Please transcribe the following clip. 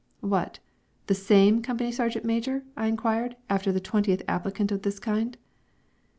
"What, the same company sergeant major?" I inquired, after the twentieth application of this kind.